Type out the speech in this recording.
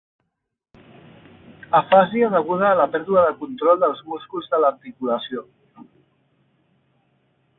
Afàsia deguda a la pèrdua de control dels músculs de l'articulació.